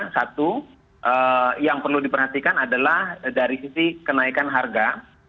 satu yang perlu diperhatikan adalah dari sisi kenaikan harga